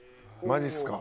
マジっすか？